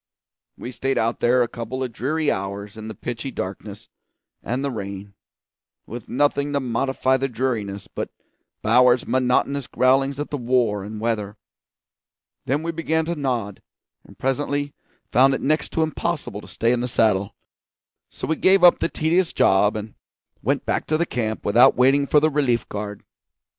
We stayed out there a couple of dreary hours in the pitchy darkness and the rain, with nothing to modify the dreariness but Bowers's monotonous growlings at the war and the weather; then we began to nod, and presently found it next to impossible to stay in the saddle; so we gave up the tedious job, and went back to the camp without waiting for the relief guard.